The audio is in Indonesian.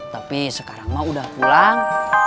tapi sekarang mah udah pulang